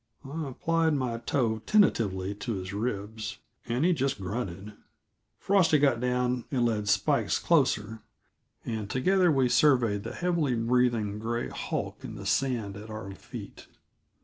I applied my toe tentatively to his ribs, and he just grunted. Frosty got down and led Spikes closer, and together we surveyed the heavily breathing, gray bulk in the sand at our feet.